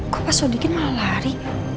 kok paswa dikit malah lari